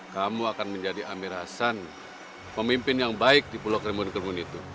kamu akan menjadi amir hasan pemimpin yang baik di pulau kerimun keremun itu